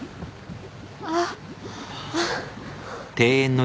あっ。